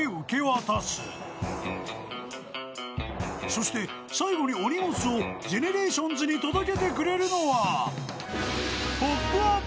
［そして最後にお荷物をＧＥＮＥＲＡＴＩＯＮＳに届けてくれるのは］